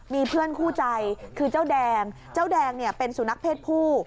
มีเพื่อนคู่ใจคือเจ้าแดงเจ้าแดงเนี่ยเป็นสุนัขเพศผู้